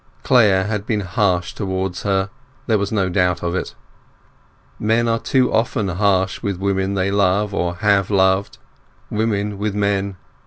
Clare had been harsh towards her; there is no doubt of it. Men are too often harsh with women they love or have loved; women with men.